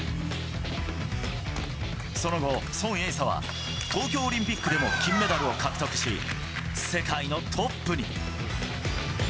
その後、孫穎莎は東京オリンピックでも金メダルを獲得し、世界のトップに。